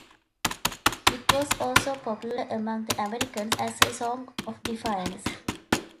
It was also popular among the Americans as a song of defiance.